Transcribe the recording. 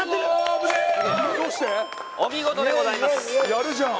やるじゃん